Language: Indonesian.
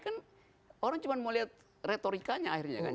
kan orang cuma mau lihat retorikanya akhirnya kan